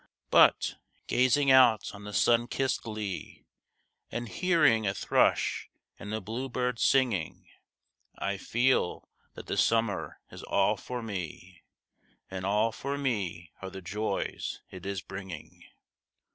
But, gazing out on the sun kist lea, And hearing a thrush and a blue bird singing, I feel that the summer is all for me, And all for me are the joys it is bringing.